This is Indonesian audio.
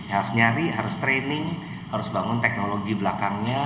harus nyari harus training harus bangun teknologi belakangnya